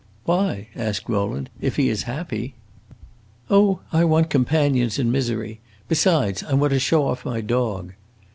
"Why," asked Rowland, "if he is happy?" "Oh, I want companions in misery! Besides, I want to show off my dog."